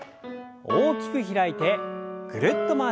大きく開いてぐるっと回します。